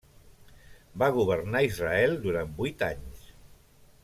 Va governar Israel durant vuit anys.